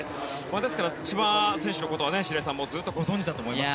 ですから、千葉選手のことは白井さんもご存じだと思います。